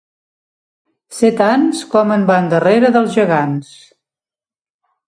Ser tants com en van darrere dels gegants.